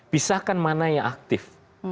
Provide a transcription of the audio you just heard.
pisahkan mana yang aktif